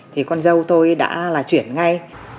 thì con dâu tôi đã là chuyển ngay